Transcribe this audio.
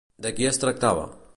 De qui es tractava?